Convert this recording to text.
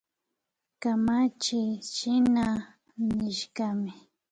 Kamachiy shina nishkami